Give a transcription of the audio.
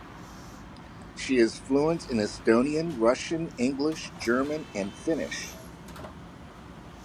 She is fluent in Estonian, Russian, English, German and Finnish.